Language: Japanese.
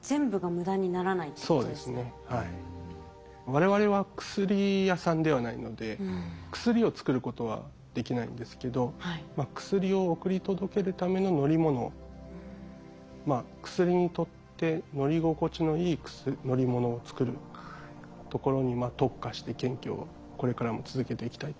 我々は薬屋さんではないので薬を作ることはできないんですけど薬を送り届けるための乗り物薬にとって乗り心地のいい乗り物を作るところに特化して研究をこれからも続けていきたいと思います。